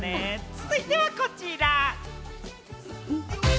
続いてはこちら。